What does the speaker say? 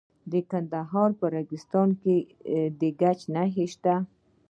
د کندهار په ریګستان کې د ګچ نښې شته.